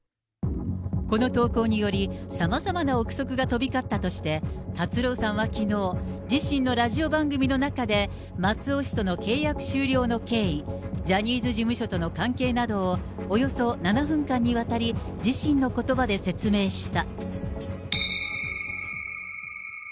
この投稿により、さまざまな臆測が飛び交ったとして、達郎さんはきのう、自身のラジオ番組の中で、松尾氏との契約終了の経緯、ジャニーズ事務所との関係などを、およそ７分間にわたり、自身のことばで説明した。